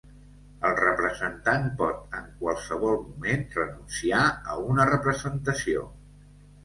El representant pot, en qualsevol moment, renunciar a una representació.